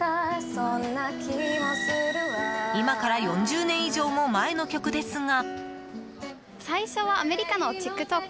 今から４０年以上も前の曲ですが。